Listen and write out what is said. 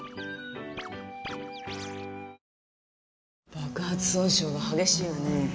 爆発損傷が激しいわね。